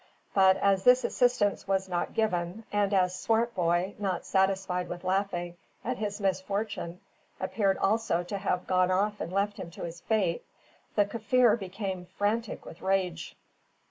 But as this assistance was not given, and as Swartboy, not satisfied with laughing at his misfortune appeared also to have gone off and left him to his fate, the Kaffir became frantic with rage.